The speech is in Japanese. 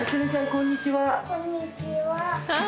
こんにちは。